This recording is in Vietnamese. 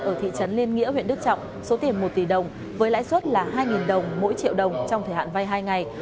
ở thị trấn liên nghĩa huyện đức trọng số tiền một tỷ đồng với lãi suất là hai đồng mỗi triệu đồng trong thời hạn vay hai ngày